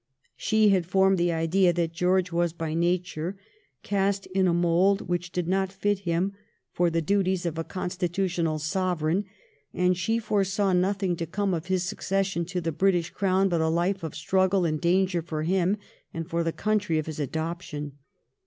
She had formed the idea that George was by nature cast in a mould which did not fit him for the duties of a constitu 278 THE REIGN OF QUEEN ANNE. ch. xxxm. tional Sovereign, and she foresaw nothing to come of his succession to the British Crown but a life of struggle and danger for him and for the country of his adoption.